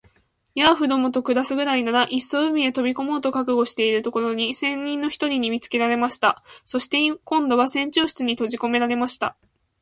ヤーフどもと暮すくらいなら、いっそ海へ飛び込もうと覚悟しているところを、船員の一人に見つけられました。そして、今度は船長室にとじこめられました。